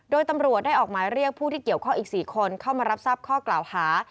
โดยตำรวจได้ออกหมายเรียกผู้ที่เกี่ยวข้องอีก๔คนเข้ามารับทราบข้อกล่าวหา